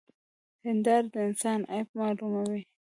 هنداره د انسان عيب معلوموي.